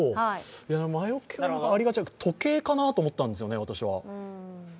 魔よけはありがちだから時計かなと思ったんですよね、私は。